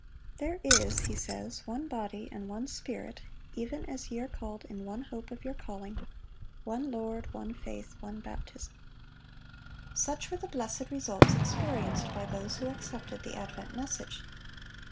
"There is," he says, "one body, and one Spirit, even as ye are called in one hope of your calling; one Lord, one faith, one baptism."(622) Such were the blessed results experienced by those who accepted the advent message.